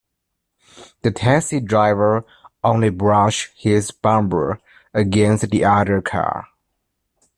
The taxi driver only brushed his bumper against the other car.